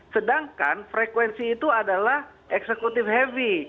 sedangkan frekuensi itu adalah executive heavy